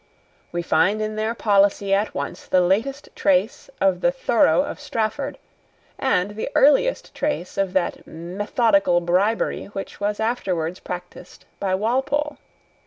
We find in their policy at once the latest trace of the Thorough of Strafford, and the earliest trace of that methodical bribery which was afterwards practiced by Walpole.